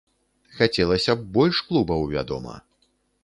Хацелася б больш клубаў, вядома.